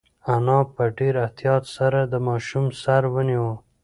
انا په ډېر احتیاط سره د ماشوم سر ونیو.